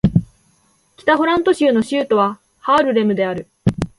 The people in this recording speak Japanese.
北ホラント州の州都はハールレムである